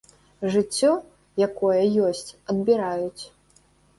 Жыццё, якое ёсць, адбіраюць.